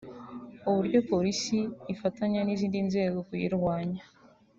uburyo Polisi ifatanya n’izindi nzego kuyirwanya